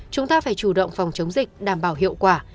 chúng ta phải chủ động phòng chống dịch đảm bảo hiệu quả